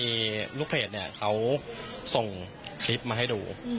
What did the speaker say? มีลูกเพจเนี่ยเขาส่งคลิปมาให้ดู